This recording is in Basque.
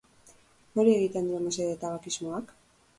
Nori egiten dio mesede tabakismoak?